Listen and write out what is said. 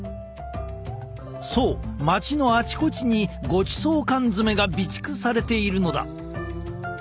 そう町のあちこちにごちそう缶詰が備蓄されているのだ。